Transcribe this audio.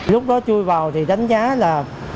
lúc đó chui vào thì đánh giá là